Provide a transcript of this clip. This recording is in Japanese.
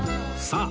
さあ